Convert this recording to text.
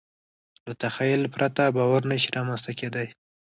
له تخیل پرته باور نهشي رامنځ ته کېدی.